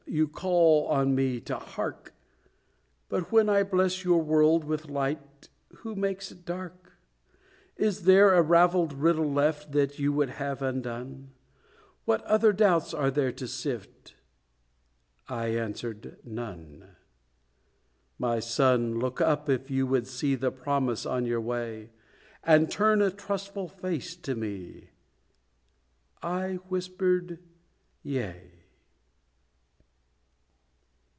You call on me to hark! But when I bless your world with light, Who makes it dark? "Is there a ravelled riddle left That you would have undone? What other doubts are there to sift?" I answered "None." "My son, look up, if you would see The Promise on your way, And turn a trustful face to me." I whispered "Yea."